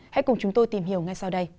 hãy cùng chúng tôi tìm hiểu ngay sau đây